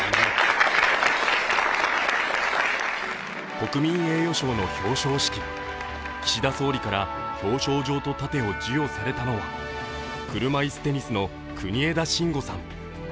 国民栄誉賞の表彰式、岸田総理から表彰状と盾を授与されたのは車いすテニスの国枝慎吾さん。